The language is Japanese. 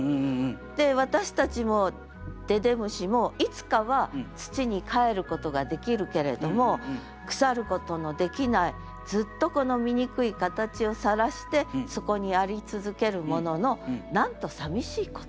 で私たちもででむしもいつかは土にかえることができるけれども腐ることのできないずっとこの醜い形をさらしてそこにあり続けるもののなんとさみしいことかと。